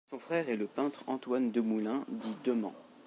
Son frère est le peintre Antoine Demoulin, dit Demant.